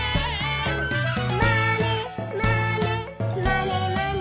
「まねまねまねまね」